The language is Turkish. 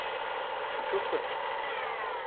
Bu çok basit.